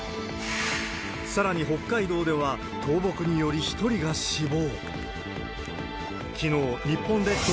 さらに北海道では、倒木により１人が死亡。